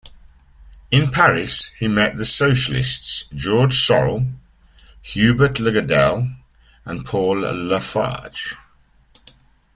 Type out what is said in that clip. In Paris he met the socialists Georges Sorel, Hubert Lagardelle and Paul Lafargue.